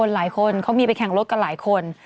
หลายคนเขามีไปแข่งรถกันหลายคน